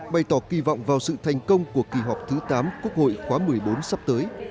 bày tỏ kỳ vọng vào sự thành công của kỳ họp thứ tám quốc hội khóa một mươi bốn sắp tới